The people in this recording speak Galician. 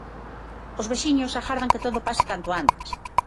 Os veciños agardan que todo pase canto antes.